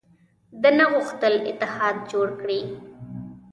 ده نه غوښتل اتحاد جوړ کړي.